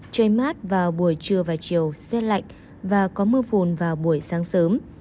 trời mát vào buổi trưa và chiều xe lạnh và có mưa vồn vào buổi sáng sớm